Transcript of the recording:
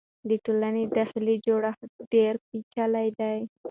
د ټولنې داخلي جوړښت ډېر پېچلی دی.